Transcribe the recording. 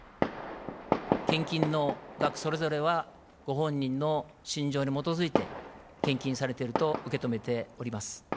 献金の額、それぞれはご本人の信条に基づいて献金されていると受け止めております。